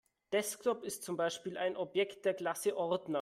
Desktop ist zum Beispiel ein Objekt der Klasse Ordner.